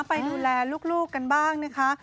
ไปดูแลลูกกันบ้างนะคะ